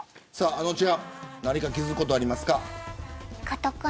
あのちゃん何か気付くことありますか。